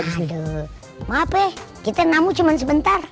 aduh mape kita namu cuman sebentar